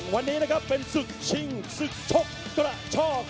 วันนี้นะครับเป็นศึกชิงศึกชกกระชอก